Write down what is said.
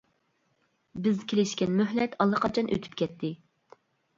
بىز كېلىشكەن مۆھلەت ئاللىقاچان ئۆتۈپ كەتتى.